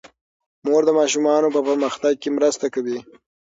مور د ماشومانو په پرمختګ کې مرسته کوي.